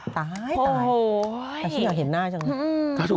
แต่ชิคกี้พายเห็นหน้าจังเลย